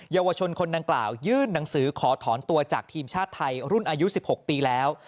เยาวชนคนดังกล่าวยื่นหนังสือขอถอนตัวจากทีมชาติไทยรุ่นอายุ๑๖ปีแล้ว